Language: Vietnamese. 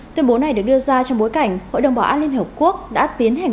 tuyên bố này được đưa ra trong bối cảnh hội đồng bảo an liên hợp quốc đã tiến hành